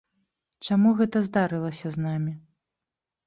Чаму гэта здарылася з намі?